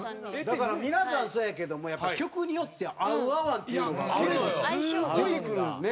だから皆さんそうやけども曲によって合う合わんっていうのが結構出てくるね。